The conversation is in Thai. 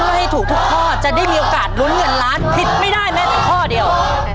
เพื่อให้ถูกทุกข้อจะได้มีโอกาสลุ้นเงินล้านผิดไม่ได้แม้แต่ข้อเดียว